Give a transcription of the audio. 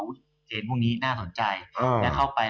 ว่านานน่าสนใจ